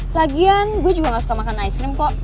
lagian gue juga gak suka makan es krim kok